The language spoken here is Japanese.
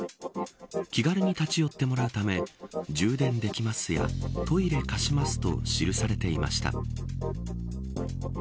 気軽に立ち寄ってもらうため充電できますやトイレ貸しますと記されていました。